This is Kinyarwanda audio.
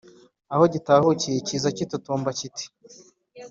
aho gitahukiye kiza kitotomba kiti: